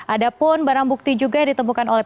ada pun barang bukti juga yang ditemukan oleh